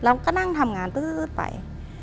เราก็นั่งทำงานไป